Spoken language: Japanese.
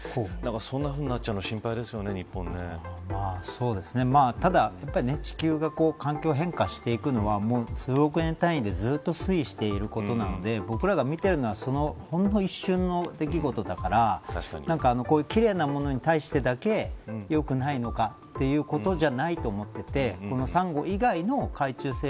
そんなふうになっちゃうのはただ地球が環境変化していくのは数億年単位でずっと推移していることなので僕らが見ているのはほんの一瞬の出来事だからこういう奇麗なものに対してだけよくないのかということじゃないと思っていてこのサンゴ以外の海中静